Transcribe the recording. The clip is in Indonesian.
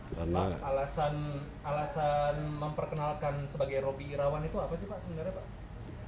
bapak alasan memperkenalkan sebagai roby irawan itu apa sih pak sebenarnya pak